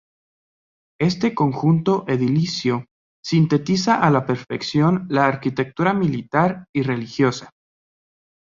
Este conjunto edilicio sintetiza a la perfección la arquitectura militar y religiosa.